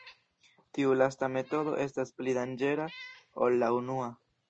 Tiu lasta metodo estas pli danĝera ol la unua.